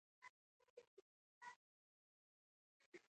د والدینو خدمت جنت ته لاره ده.